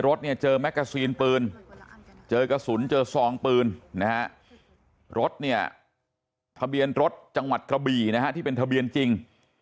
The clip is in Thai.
รถเนี่ยเจอแมกกาซีนปืนเจอกระสุนเจอซองปืนนะฮะรถเนี่ยทะเบียนรถจังหวัดกระบี่นะฮะที่เป็นทะเบียนจริง